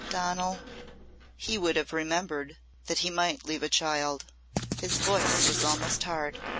Donal! "He would have remembered that he might leave a child!" His voice was almost hard.